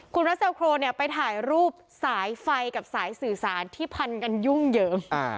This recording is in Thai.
คุณรัสเซลโครไปถ่ายรูปสายไฟกับสายสื่อสารที่พันกันยุ่งเหยิง